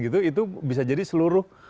itu bisa jadi seluruh